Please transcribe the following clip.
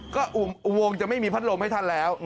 ก็อุโมงจะไม่มีพัดลมให้ท่านแล้ว